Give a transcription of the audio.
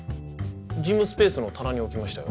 事務スペースの棚に置きましたよ